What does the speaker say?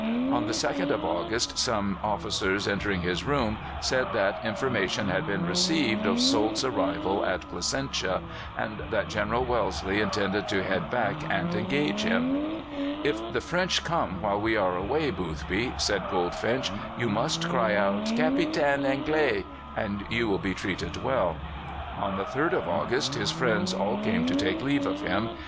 On the 2nd of August some officers, entering his room, said that information had been received of Soult's arrival at Placentia, and that General Wellesley intended to head back and engage him. "If the French come while we are away, Boothby," said Goldfinch, "you must cry out, 'Capitaine anglais,' and you will be treated well." On the 3rd of August his friends all came to take leave of him.